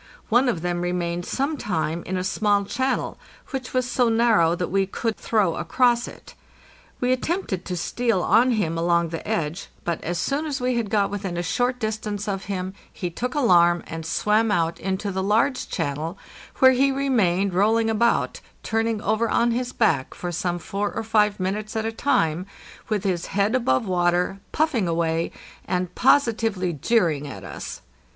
One of them remained some time in a small channel, which was so narrow that we could throw across it. We attempted to steal on him along the edge, but as soon as we had 634 APPENDIX cot within a short distance of him he took alarm, and swam out into the large channel, where he remained rolling about, turning over on his back for some four or five minutes at a time with his head above water, puffing away, and positively jeering at us.